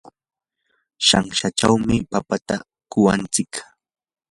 shanshachawmi papata kuwantsik.